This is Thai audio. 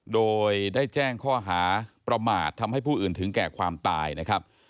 โดยได้แจ้งข้อหาประมาททำให้ผู้อื่นถึงแก่ความตายนะครับ